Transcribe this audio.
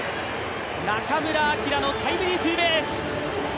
中村晃のタイムリーツーベース。